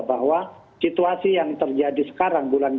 bahwa situasi yang terjadi sekarang